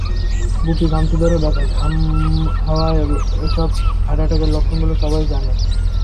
বুকে খামচে ধরা ব্যথা, ঘাম হওয়া—এসব হার্ট অ্যাটাকের লক্ষণ বলে সবাই জানে।